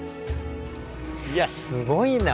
いやすごいな。